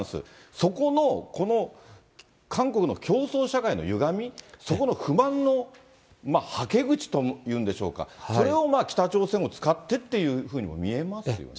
そこのこの韓国の競争社会の歪み、そこの不満のはけ口というんでしょうか、それを北朝鮮を使ってっていうふうにも見えますよね。